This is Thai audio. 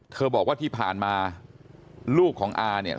บอกว่าที่ผ่านมาลูกของอาเนี่ย